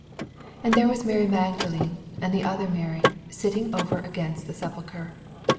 61 And there was Mary Magdalene, And the other Mary, sitting over a gainst the sepulchre.